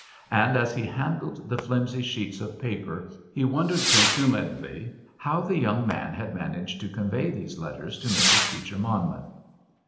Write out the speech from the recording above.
And as he handled the flimsy sheets of paper he wondered consumedly how the young man had managed to convey these letters to Mrs. Beecher Monmouth.